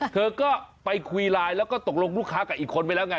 เธอก็ไปคุยไลน์แล้วก็ตกลงลูกค้ากับอีกคนไปแล้วไง